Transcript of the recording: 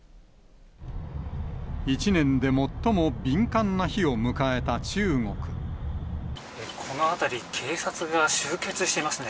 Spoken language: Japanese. １年で最も敏感な日を迎えたこの辺り、警察が集結していますね。